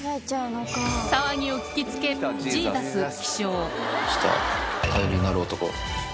騒ぎを聞きつけ、ジーザス起来た、頼りになる男。